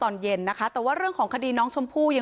ตำรวจบอกว่าภายในสัปดาห์เนี้ยจะรู้ผลของเครื่องจับเท็จนะคะ